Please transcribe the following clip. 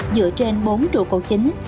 dựa trên bốn trụ cầu chính